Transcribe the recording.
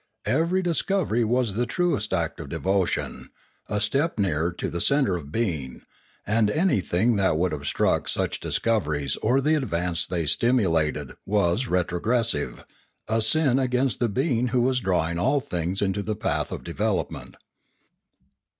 Every dis covery was the truest act of devotion, a step nearer to the centre of being; and anything that would obstruct such discoveries or the advance they stimulated was retrogressive, a sin against the being who was drawing all things into the path of development.